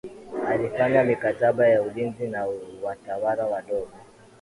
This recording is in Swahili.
alifanya mikataba ya ulinzi na watawala wadogo